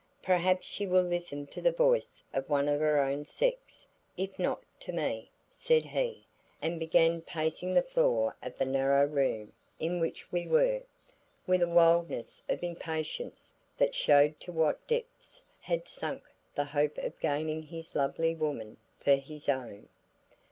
"Perhaps she will listen to the voice of one of her own sex if not to me," said he; and began pacing the floor of the narrow room in which we were, with a wildness of impatience that showed to what depths had sunk the hope of gaining this lovely woman for his own.